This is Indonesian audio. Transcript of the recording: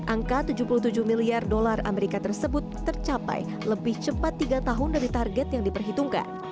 angka tujuh puluh tujuh miliar dolar amerika tersebut tercapai lebih cepat tiga tahun dari target yang diperhitungkan